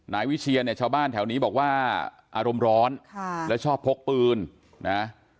นายวิเชียเนี่ยชาวบ้านแถวนี้บอกว่าอารมณ์ร้อนค่ะแล้วชอบพกปืนนะ